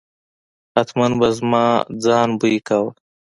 حتمآ به زما ځان بوی کاوه.